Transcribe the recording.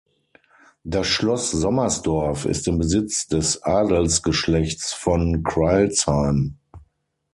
Das Schloss Sommersdorf ist im Besitz des Adelsgeschlechts von Crailsheim.